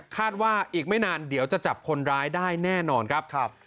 คาดว่าอีกไม่นานเดี๋ยวจะจับคนร้ายได้แน่นอนครับ